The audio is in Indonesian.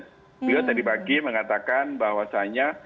beliau tadi pagi mengatakan bahwasannya